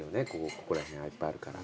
ここら辺はいっぱいあるから。